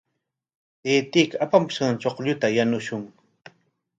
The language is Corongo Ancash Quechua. Taytayki apamunqan chuqlluta yanushun.